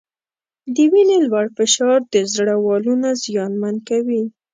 د وینې لوړ فشار د زړه والونه زیانمن کوي.